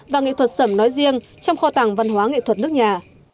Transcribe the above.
và nghệ thuật sẩm nói riêng trong kho tàng văn hóa nghệ thuật nước nhà